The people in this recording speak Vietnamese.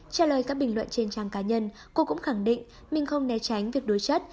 trả lời các bình luận trên trang cá nhân cô cũng khẳng định mình không né tránh việc đối chất